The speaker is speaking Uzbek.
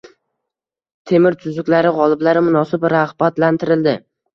“Temur tuzuklari” g‘oliblari munosib rag‘batlantirildi